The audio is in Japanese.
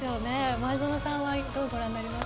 前園さんはどうご覧になりました。